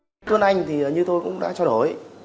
nguyễn tuấn anh như tôi cũng đã cho đổi